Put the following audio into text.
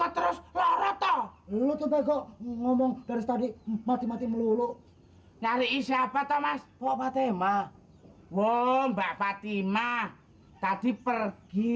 terus ngomong dari tadi mati mati melulu nyari siapa thomas fathima womba fathima tadi pergi